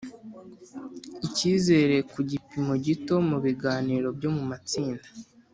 Icyizere ku gipimo gito mu biganiro byo mu matsinda